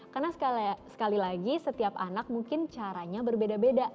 karena sekali lagi setiap anak mungkin caranya berbeda beda